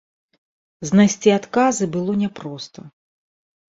Знайсці адказы было няпроста.